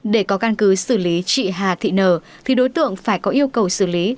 để có căn cứ xử lý chị hà thị nờ thì đối tượng phải có yêu cầu xử lý